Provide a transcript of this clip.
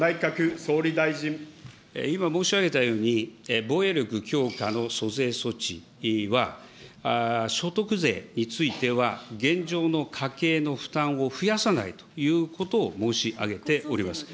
今申し上げたように、防衛力強化の租税措置は、所得税については現状の家計の負担を増やさないということを申し上げております。